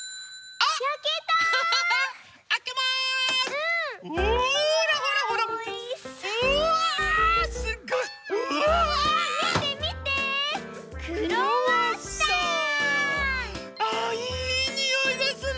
あいいにおいですね！